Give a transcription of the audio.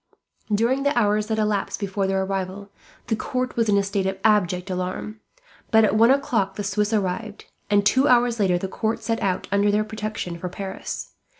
During the hours that elapsed before their arrival, the court was in a state of abject alarm, but at one o'clock the Swiss arrived; and two hours later the court set out, under their protection, for Paris.